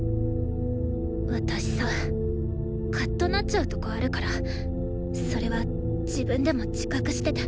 私さカッとなっちゃうとこあるからそれは自分でも自覚してて。